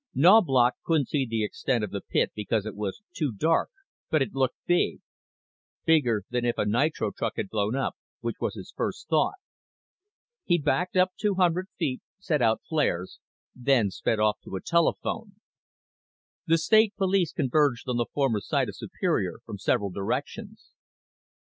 Knaubloch couldn't see the extent of the pit because it was too dark, but it looked big. Bigger than if a nitro truck had blown up, which was his first thought. He backed up two hundred feet, set out flares, then sped off to a telephone. The state police converged on the former site of Superior from several directions.